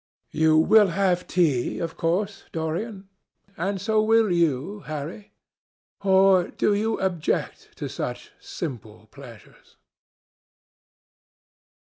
"You will have tea, of course, Dorian? And so will you, Harry? Or do you object to such simple pleasures?"